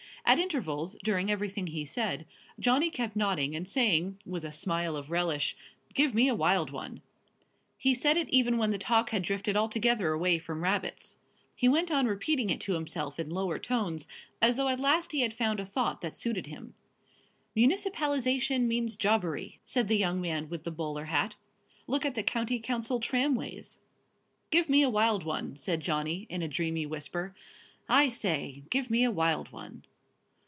At intervals, during everything he said, Johnny kept nodding and saying, with a smile of relish: "Give me a wild one!" He said it even when the talk had drifted altogether away from rabbits. He went on repeating it to himself in lower tones, as though at last he had found a thought that suited him. "Municipalisation means jobbery," said the young man with the bowler hat; "look at the County Council tramways." "Give me a wild one," said Johnny, in a dreamy whisper; "I say, give me a wild one."